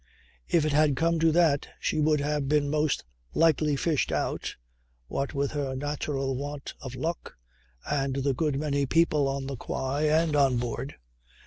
If it had come to that she would have been most likely fished out, what with her natural want of luck and the good many people on the quay and on board.